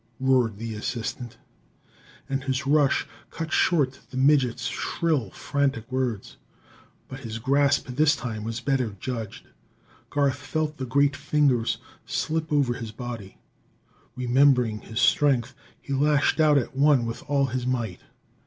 roared the assistant, and his rush cut short the midget's shrill, frantic words. But his grasp this time was better judged; Garth felt the great fingers slip over his body. Remembering his strength, he lashed out at one with all his might.